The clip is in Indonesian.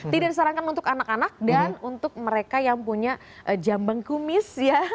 tidak disarankan untuk anak anak dan untuk mereka yang punya jambeng kumis ya